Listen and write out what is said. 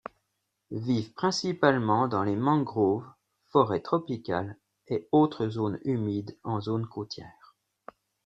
Vivent principalement dans les mangroves, forêts tropicales et autres zones humides en zones côtières.